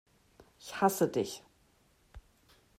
Ich hasse dich!